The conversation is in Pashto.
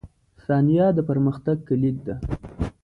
• ثانیه د پرمختګ کلید ده.